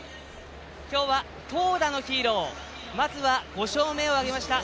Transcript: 今日は投打のヒーローまずは、５勝目を挙げました